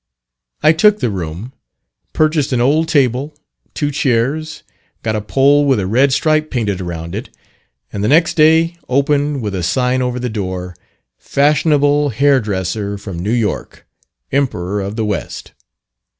I took the room, purchased an old table, two chairs, got a pole with a red stripe painted around it, and the next day opened, with a sign over the door, "Fashionable Hair dresser from New York, Emperor of the West."